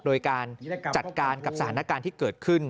โดยการจัดการกับสถานการณ์ที่เกิดขึ้น